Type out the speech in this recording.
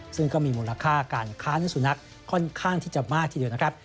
ซึ่งก็มีมูลค่าการค้าเนื้อสุนัขค่อนข้างที่จะมากทีเดียวนะครับ